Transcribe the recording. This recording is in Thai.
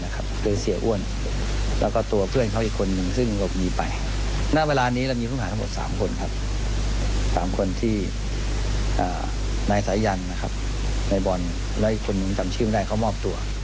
กันตัวนะฮะไปฟังเสียงของตั้นกันหน่อยครับ